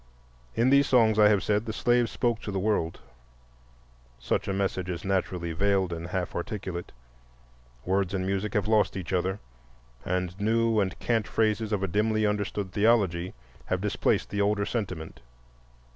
In these songs, I have said, the slave spoke to the world. Such a message is naturally veiled and half articulate. Words and music have lost each other and new and cant phrases of a dimly understood theology have displaced the older sentiment.